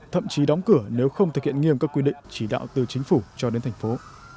thậm chí đóng cửa nếu không thực hiện nghiêm các quy định chỉ đạo từ chính phủ cho đến thành phố